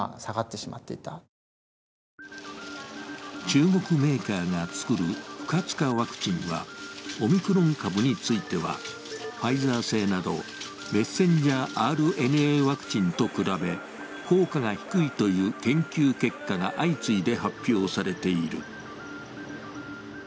中国メーカーが作る不活化ワクチンは、オミクロン株についてはファイザー製などメッセンジャーＲＮＡワクチンと比べ効果が低いという研究結果が相次いで発表されている。